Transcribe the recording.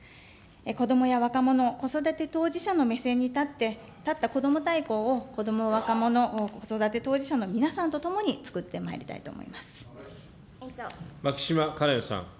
子どもや若者、子育て当事者の目線に立ってこども大綱を、子ども・若者子育て当事者の皆さんと共につくってまいりたいと思牧島かれんさん。